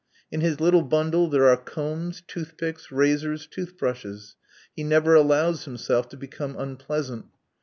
In his little bundle there are combs, toothpicks, razors, toothbrushes. He never allows himself to become unpleasant.